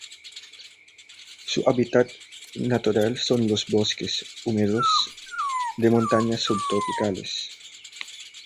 Su hábitat natural son los bosques húmedos de montaña subtropicales.